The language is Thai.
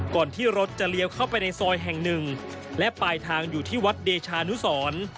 ก่อนที่รถจะเลี้ยวเข้าไปในซอยแห่งหนึ่งและปลายทางอยู่ที่วัดเดชานุสร